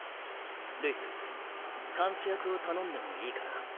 ルイス監視役を頼んでもいいかな？